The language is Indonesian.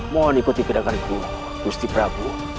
mohon ikuti pedagangku gusti prabu